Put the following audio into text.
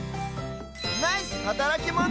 ナイスはたらきモノ！